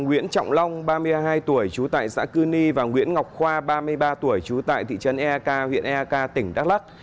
nguyễn trọng long ba mươi hai tuổi trú tại xã cư ni và nguyễn ngọc khoa ba mươi ba tuổi trú tại thị trấn eak huyện eak tỉnh đắk lắc